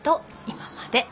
今まで。